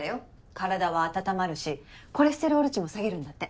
体は温まるしコレステロール値も下げるんだって。